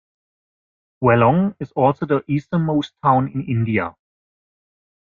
Walong is also the easternmost town in India.